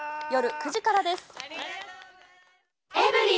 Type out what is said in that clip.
夜９時からです。